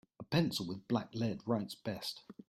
A pencil with black lead writes best.